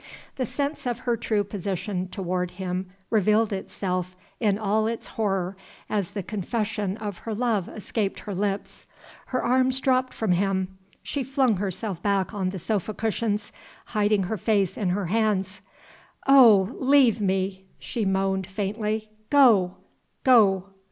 The sense of her true position toward him revealed itself in all its horror as the confession of her love escaped her lips. Her arms dropped from him; she flung herself back on the sofa cushions, hiding her face in her hands. "Oh, leave me!" she moaned, faintly. "Go! go!"